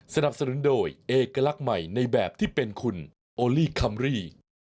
สนับสนุนโดยเอกลักษณ์ใหม่ในแบบที่เป็นคุณโอลี่คัมรี่